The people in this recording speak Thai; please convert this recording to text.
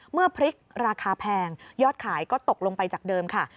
พริกราคาแพงยอดขายก็ตกลงไปจากเดิมค่ะ